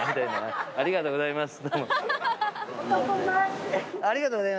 ありがとうございます。